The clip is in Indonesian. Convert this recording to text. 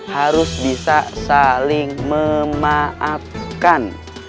harus bisa saling memaafkan